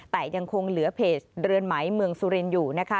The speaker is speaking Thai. แต่ยังคงเหลือเพจเรือนไหมเมืองสุรินทร์อยู่นะคะ